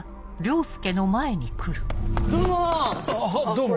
どうも！